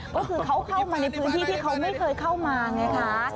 ก็คือเขาเข้ามาในพื้นที่ที่เขาไม่เคยเข้ามาไงคะ